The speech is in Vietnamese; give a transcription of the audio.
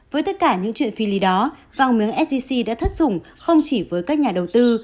với tất cả những chuyện phi lý đó vàng miếng sgc đã thất dùng không chỉ với các nhà đầu tư